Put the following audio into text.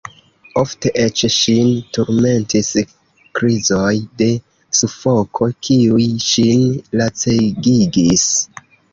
Ofte eĉ ŝin turmentis krizoj de sufoko, kiuj ŝin lacegigis.